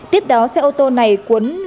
tiếp đó xe ô tô này cuốn